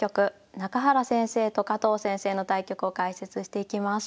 中原先生と加藤先生の対局を解説していきます。